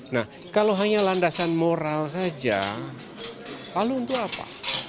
nah kalau hanya landasan moral saja lalu untuk apa